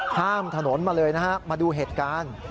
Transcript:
ข้ามถนนมาเลยนะฮะมาดูเหตุการณ์